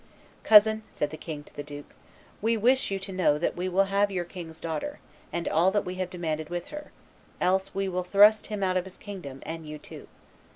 "Cousin," said the king to the duke, "we wish you to know that we will have your king's daughter, and all that we have demanded with her; else we will thrust him out of his kingdom, and you too."